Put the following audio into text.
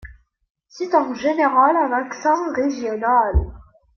C'est en général un accent régional.